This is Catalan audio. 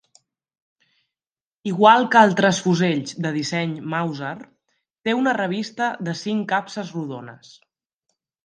Igual que altres fusells de disseny Màuser, té una revista de cinc capses rodones.